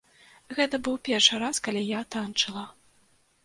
Гэта быў першы раз, калі я танчыла.